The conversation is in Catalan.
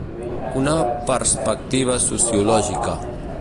Una perspectiva sociològica.